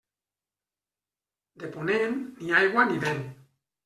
De ponent, ni aigua ni vent.